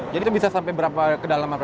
jadi itu bisa sampai berapa kedalaman